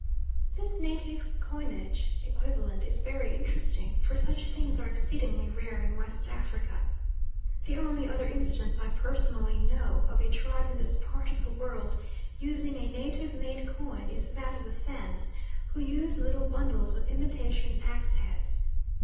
This native coinage equivalent is very interesting, for such things are exceedingly rare in West Africa. The only other instance I personally know of a tribe in this part of the world using a native made coin is that of the Fans, who use little bundles of imitation axe heads.